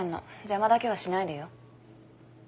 邪魔だけはしないでよ。